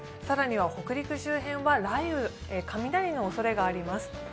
更には北陸周辺は雷雨、雷のおそれがあります。